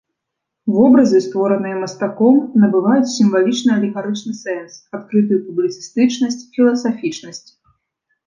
Вобразы, створаныя мастаком, набываюць сімвалічна-алегарычны сэнс, адкрытую публіцыстычнасць, філасафічнасць.